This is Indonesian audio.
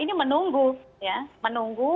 ini menunggu ya menunggu